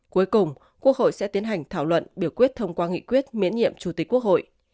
cuối cùng quốc hội sẽ tiến hành thảo luận biểu quyết thông qua nghị quyết miễn nhiệm chủ tịch quốc hội